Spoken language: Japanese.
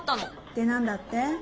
で何だって？